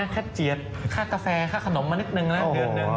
แค่เจียดค่ากาแฟค่าขนมมานิดนึงแล้วเดือนหนึ่ง